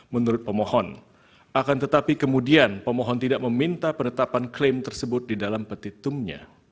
menurut pemohon akan tetapi kemudian pemohon tidak meminta penetapan klaim tersebut di dalam petitumnya